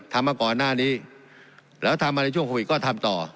ทำมาก่อนหน้านี้แล้วทำมาในช่วงโควิดก็ทำต่อ